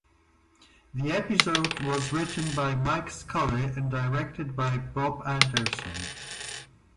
The episode was written by Mike Scully and directed by Bob Anderson.